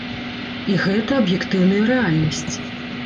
І гэта аб'ектыўная рэальнасць.